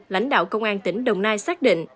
lãnh đạo công an tỉ đồng nai xác định